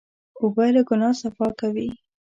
اوبه له ګناه صفا کوي.